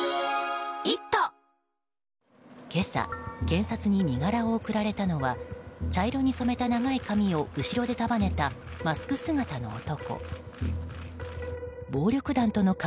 今朝、検察に身柄を送られたのは茶色に染めた長い髪を後ろで束ねたマスク姿の男。